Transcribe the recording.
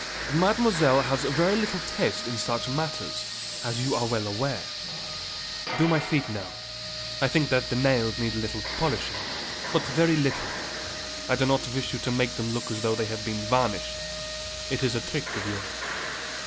Mademoiselle has very little taste in such matters, as you are well aware. Do my feet now; I think that the nails need a little polishing; but very little; I do not wish you to make them look as though they had been varnished; it is a trick of yours."